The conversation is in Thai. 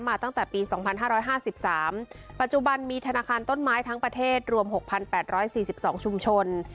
ตั้งแต่ปี๒๕๕๓ปัจจุบันมีธนาคารต้นไม้ทั้งประเทศรวม๖๘๔๒ชุมชน